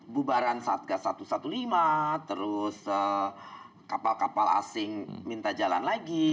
bubaran satgas satu ratus lima belas terus kapal kapal asing minta jalan lagi